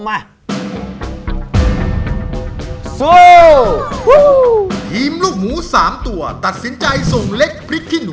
ไอวีนี้